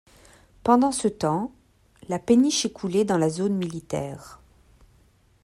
Pendant ce temps, la péniche est coulée dans la zone militaire.